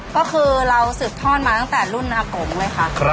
ก็คือเราสืบทอดมาตั้งแต่รุ่นอากงเลยค่ะ